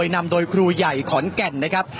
นำโดยครูใหญ่ขอนแก่นนะครับ